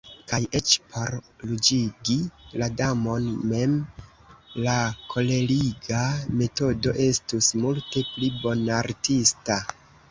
Kaj eĉ por ruĝigi la Damon mem, la koleriga metodo estus multe pli bonartista.